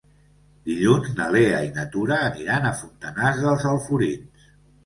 Dilluns na Lea i na Tura aniran a Fontanars dels Alforins.